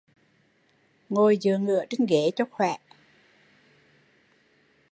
Ngồi dựa ngạ trên ghế cho khỏe